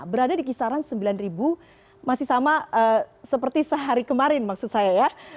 berada di kisaran sembilan ribu masih sama seperti sehari kemarin maksud saya ya